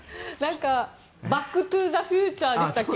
「バック・トゥ・ザ・フューチャー」でしたっけ。